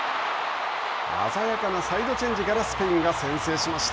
鮮やかなサイドチェンジからスペインが先制しました。